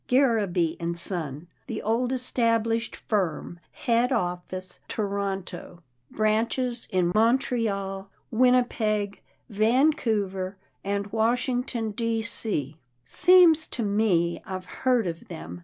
' Garraby and Son, the old established firm. Head office, Toronto. Branches in Montreal, Winnipeg, Van couver, and Washington, D. C — seems to me, I've heard of them.